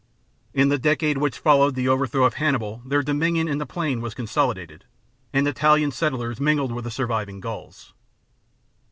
In the decade which followed the overthrow of Hannibal their dominion in the plain was consolidated ; and Italian settlers mingled with the surviving Gauls.